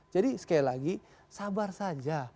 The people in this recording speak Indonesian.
jadi sekali lagi sabar saja